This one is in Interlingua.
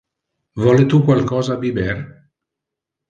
Vole tu qualcosa a biber?